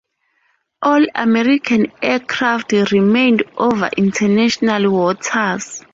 All American aircraft remained over international waters.